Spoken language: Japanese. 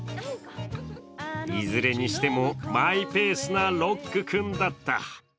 いずれにしてもマイペースなロック君だった。